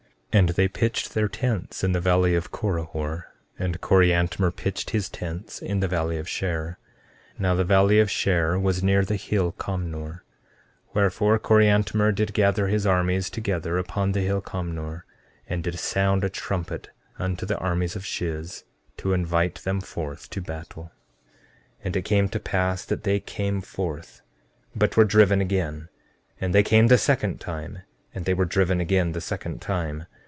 14:28 And they pitched their tents in the valley of Corihor; and Coriantumr pitched his tents in the valley of Shurr. Now the valley of Shurr was near the hill Comnor; wherefore, Coriantumr did gather his armies together upon the hill Comnor, and did sound a trumpet unto the armies of Shiz to invite them forth to battle. 14:29 And it came to pass that they came forth, but were driven again; and they came the second time, and they were driven again the second time.